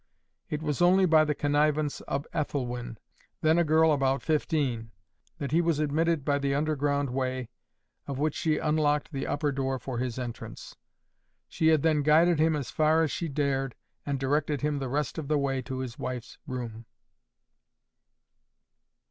It was only by the connivance of Ethelwyn, then a girl about fifteen, that he was admitted by the underground way, of which she unlocked the upper door for his entrance. She had then guided him as far as she dared, and directed him the rest of the way to his wife's room.